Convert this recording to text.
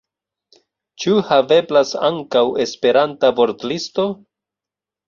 Ĉu haveblas ankaŭ Esperanta vortlisto?